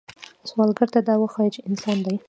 سوالګر ته دا وښایه چې انسان دی